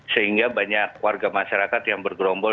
sehingga banyak warga masyarakat yang bergerombol